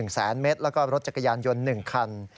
แสนเมตรแล้วก็รถจักรยานยนต์๑คัน